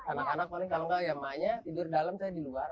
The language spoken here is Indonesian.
anak anak paling kalau nggak ya mainnya tidur dalam saya di luar